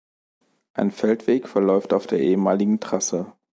Ein Feldweg verläuft auf der ehemaligen Trasse.